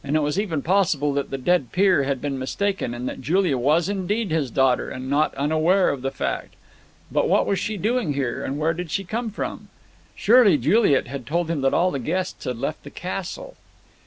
It was even possible that the dead peer had been mistaken, and that Julia was indeed his daughter and not unaware of the fact. But what was she doing here, and where did she come from? Surely Juliet had told him that all the guests had left the castle.